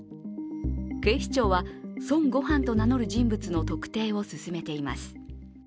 警視庁は孫悟飯と名乗る人物の特定を進めています。